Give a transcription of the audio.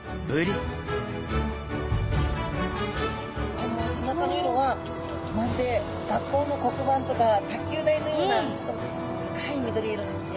あの背中の色はまるで学校の黒板とか卓球台のようなちょっと深い緑色ですね。